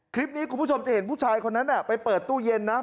คุณผู้ชมจะเห็นผู้ชายคนนั้นไปเปิดตู้เย็นนะ